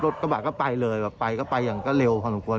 รถกระบากก็ไปเลยไปก็ไปอย่างก็เร็วความสมควร